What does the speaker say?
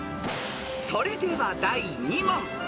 ［それでは第２問］